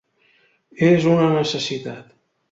És una necessitat.